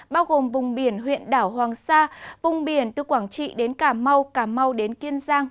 bao gồm vùng biển huyện đảo hoàng sa vùng biển từ quảng trị đến cà mau cà mau đến kiên giang